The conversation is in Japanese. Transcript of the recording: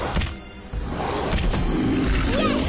よし！